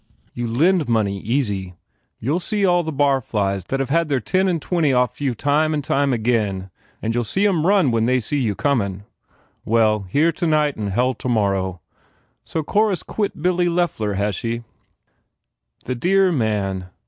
You lend money, easy. You ll see all the barflies thatVe had their ten and their twenty oft you time and again You ll see em run when they see you comin . Well, here tonight and hell tomorrow. So Cora s quit Billy Loeffler, has she? The dhear man!